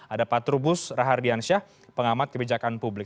ada pak trubus rahardiansyah pengamat kebijakan publik